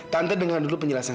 tante dengar dulu penjelasan